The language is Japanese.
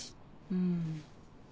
うん。